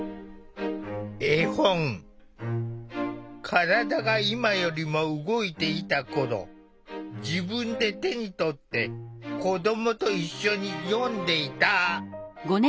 体が今よりも動いていた頃自分で手に取って子どもと一緒に読んでいた。